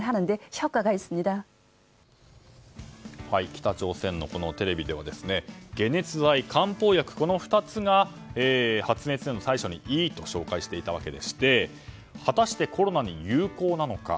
北朝鮮のテレビでは解熱剤、漢方薬の２つが発熱への対処にいいと紹介していたわけでして果たしてコロナに有効なのか。